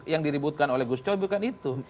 yang diributkan oleh gus coy bukan itu